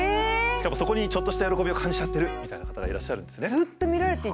しかもそこにちょっとした喜びを感じちゃってるみたいな方がいらっしゃるんですね。